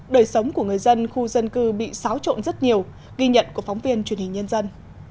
đời sống của người dân khu dân cư bị xáo trộn rất nhiều ghi nhận của phóng viên truyền hình nhân dân